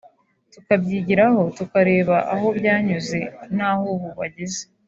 tukabyigiraho tukareba aho byanyuze naho ubu bageze